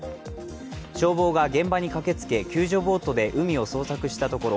消防が現場に駆けつけ、救助ボートで海を捜索したところ